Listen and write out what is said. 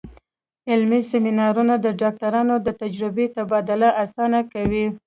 علمي سیمینارونه د ډاکټرانو د تجربې تبادله اسانه کوي.